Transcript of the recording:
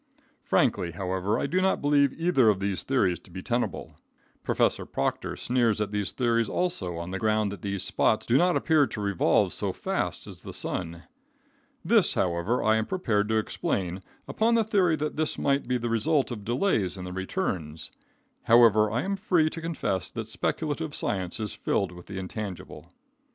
Frankly, however, I do not believe either of these theories to be tenable. Prof. Proctor sneers at these theories also on the ground that these spots do not appear to revolve so fast as the sun. This, however, I am prepared to explain upon the theory that this might be the result of delays in the returns However, I am free to confess that speculative science is filled with the intangible.